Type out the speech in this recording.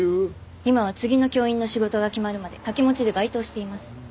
今は次の教員の仕事が決まるまで掛け持ちでバイトをしています。